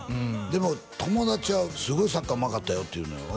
でも友達はすごいサッカーうまかったよって言うのよ